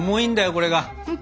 これが。